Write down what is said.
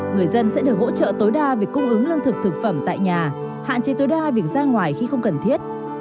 người dân sẽ được hỗ trợ tối đa việc cung ứng lương thực thực phẩm tại nhà hạn chế tối đa việc ra ngoài khi không cần thiết